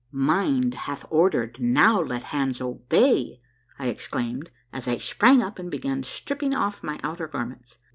'' Mind hath ordered, now let hands obey! " I exclaimed, as I sprang up and began stripping oft' my outer garments.